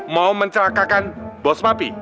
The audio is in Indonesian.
mau mencelakakan bos papi